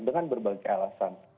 dengan berbagai alasan